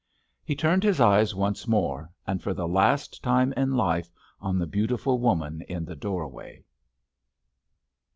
He turned his eyes once more, and for the last time in life, on the beautiful woman in the doorway.